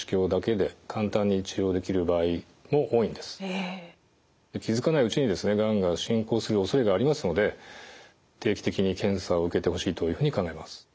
それに対して気付かないうちにがんが進行するおそれがありますので定期的に検査を受けてほしいというふうに考えます。